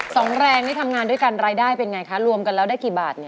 สองแรงนี่ทำงานด้วยกันรายได้เป็นไงคะรวมกันแล้วได้กี่บาท